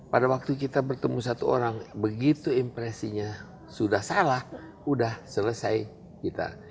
pada waktu kita bertemu satu orang begitu impresinya sudah salah sudah selesai kita